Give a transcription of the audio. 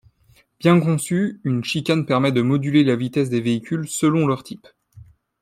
Bien conçue, une chicane permet de moduler la vitesse des véhicules selon leur type.